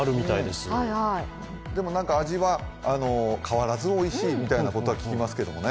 でもなんか、味は変わらずおいしいみたいなことを聞きますけどね。